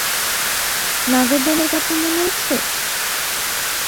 নাগরদোলার কথা মনে আছে?